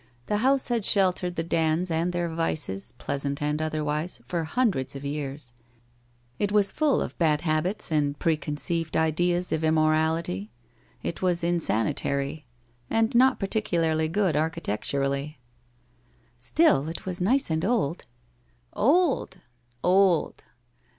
The house had sheltered the Dands and their vices, pleas ant and otherwise, for hundreds of years ; it was full of bad habits and preconceived ideas of immorality, it was insan itary, and not particularly good architecturally.' * Still it was nice and old.' ' Old ! Old